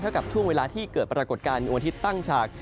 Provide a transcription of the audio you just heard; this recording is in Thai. เท่ากับช่วงเวลาที่เกิดปรากฏการณ์ในวันทิศตั้งฉาก